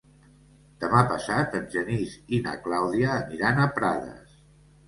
Demà passat en Genís i na Clàudia aniran a Prades.